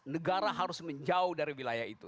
negara harus menjauh dari wilayah itu